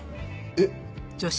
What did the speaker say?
えっ。